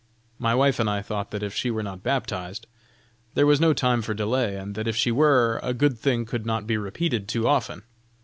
"My wife and I thought that if she were not baptized, there was no time for delay, and that if she were, a good thing could not be repeated too often.